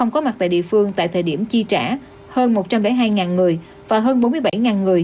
có mặt tại địa phương tại thời điểm chi trả hơn một trăm linh hai người và hơn bốn mươi bảy người